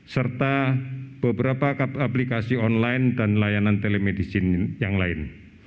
serta beberapa aplikasi online dan layanan telemedicine yang lain